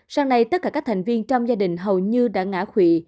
sau này tất cả các thành viên trong gia đình hầu như đã ngã khủy